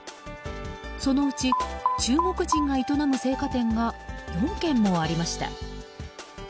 そのうち中国人が営む青果店が４軒もありました。